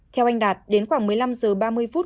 theo anh đạt đến khoảng một mươi năm h ba mươi phút